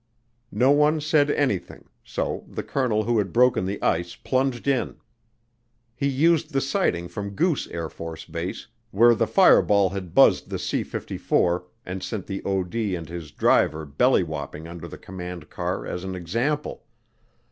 No one said anything, so the colonel who had broken the ice plunged in. He used the sighting from Goose AFB, where the fireball had buzzed the C 54 and sent the OD and his driver belly whopping under the command car as an example.